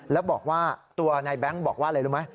แล้วบอกว่าตัวนายแบงค์บอกว่าอะไรรู้ไหม